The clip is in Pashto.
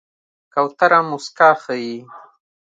کوتره موسکا ښيي.